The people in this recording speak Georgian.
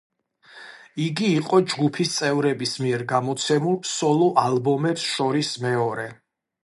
იგი იყო ჯგუფის წევრების მიერ გამოცემულ სოლო-ალბომებს შორის მეორე.